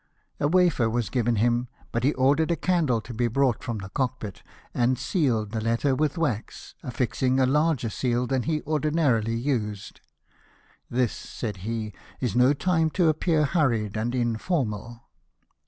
A wafer was given him, but he ordered a candle to be brought from the cockpit, and sealed the letter with wax, affixing a larger seal than he ordinarily used. " This," said he, " is no time to appear hurried and informal."